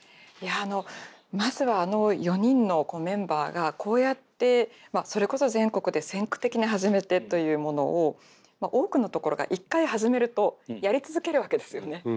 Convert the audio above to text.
いやあのまずはあの４人のメンバーがこうやってそれこそ全国で先駆的に始めてというものを多くのところが一回始めるとやり続けるわけですよね。